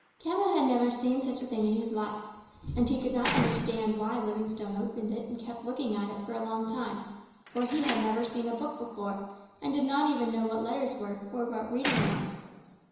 Khama had never seen such a thing in his life and he could not understand why Livingstone opened it and kept looking at it for a long time, for he had never seen a book before and did not even know what letters were or what reading was.